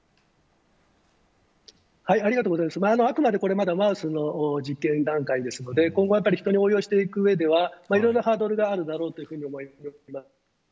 あくまでこれはまだマウスの実験段階ですので今後、人に応用していく上ではいろいろハードルがあるだろうと思います。